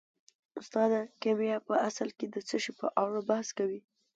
استاده کیمیا په اصل کې د څه شي په اړه بحث کوي